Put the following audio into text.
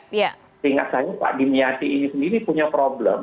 saya ingat saja pak dimiati ini sendiri punya problem